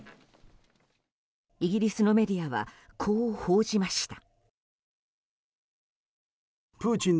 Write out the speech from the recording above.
イギリスのメディアはこう報じました。